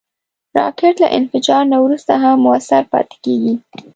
راکټ له انفجار نه وروسته هم مؤثر پاتې کېږي